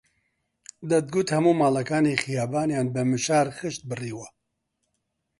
دەتگوت هەموو ماڵەکانی خەیابانیان بە مشار خشت بڕیوە